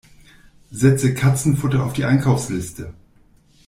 Setze Katzenfutter auf die Einkaufsliste!